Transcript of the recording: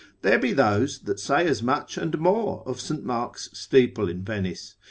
There be those that say as much and more of St. Mark's steeple in Venice.